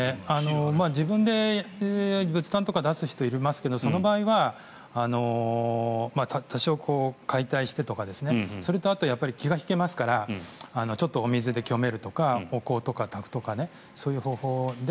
自分で仏壇とか出す人いますけどその場合は多少解体してとかそれと、あと気が引けますからちょっとお水で清めるとかお香をたくとか、そういう方法で